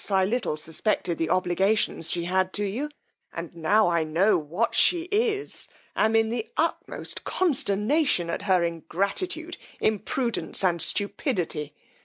I little suspected the obligations she had to you, and now I know what she is, am in the utmost consternation at her ingratitude, impudence and stupidity.